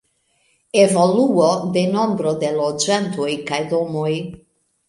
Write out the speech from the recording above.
Evoluo de nombro de loĝantoj kaj domoj.